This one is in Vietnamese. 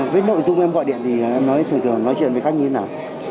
với nội dung em gọi điện thì em nói thử thường nói chuyện với khách như nào